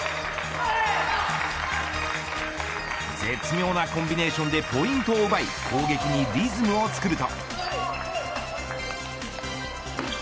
絶妙なコンビネーションでポイントを奪い攻撃にリズムをつくると。